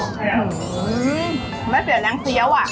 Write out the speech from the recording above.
อืมไม่เปรียบนางเซี๊ยวอ่ะ